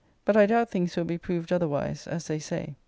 But I doubt things will be proved otherwise, as they say.